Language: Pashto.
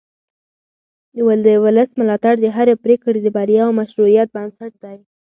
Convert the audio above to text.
د ولس ملاتړ د هرې پرېکړې د بریا او مشروعیت بنسټ دی